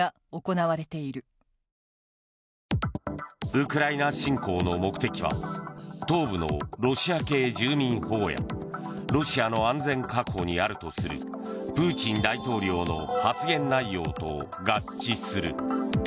ウクライナ侵攻の目的は東部のロシア系住民保護やロシアの安全確保にあるとするプーチン大統領の発言内容と合致する。